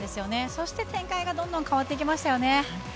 そして、展開がどんどんと変わっていきましたよね。